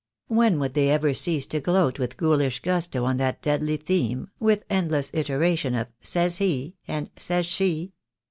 When would they ever cease to gloat with ghoulish gusto on that deadly theme, with end less iteration of "says he" and "says she"?